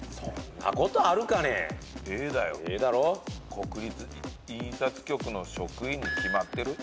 国立印刷局の職員に決まってる。